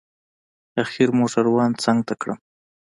اخر موټروان څنگ ته کړم.